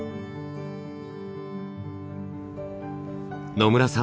野村さん